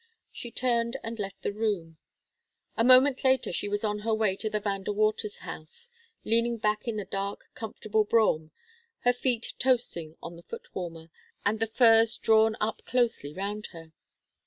She turned and left the room. A moment later she was on her way to the Van De Waters' house, leaning back in the dark, comfortable brougham, her feet toasting on the foot warmer, and the furs drawn up closely round her.